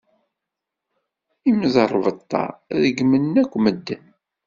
Imẓerbeḍḍa reggmen akk medden.